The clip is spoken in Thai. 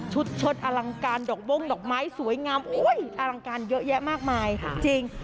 ชดอลังการดอกบ้งดอกไม้สวยงามอุ้ยอลังการเยอะแยะมากมายจริง